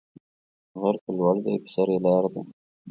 غر که لوړ دی پر سر یې لار ده